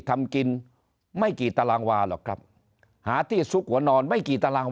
ทำกินไม่กี่ตารางวาหรอกครับหาที่ซุกหัวนอนไม่กี่ตาราง